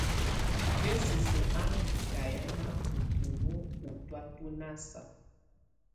Yǝsus á ɔ́ŋ ndahiana ú tuno ú tɔ̀á tu ná saa.